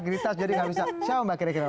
giritas jadi nggak bisa siapa mbak kira kira